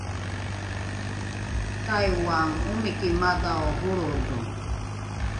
taiwan omiki madhao holrolo